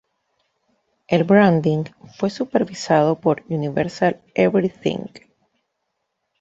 El branding fue supervisado por Universal Everything.